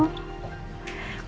kau di mana